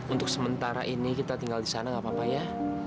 untuk sementara ini kita tinggal di sana nggak apa apa ya